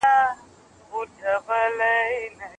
ساینس پوهان ډله ییزو څېړنو ته ډېر ارزښت ورکوي.